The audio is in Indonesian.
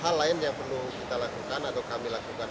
hal lain yang perlu kita lakukan atau kami lakukan